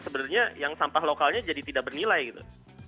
sebenarnya yang sampah lokalnya jadi tidak bernilai gitu